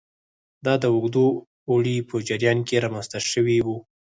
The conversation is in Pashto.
دا د اوږده اوړي په جریان کې رامنځته شوي وو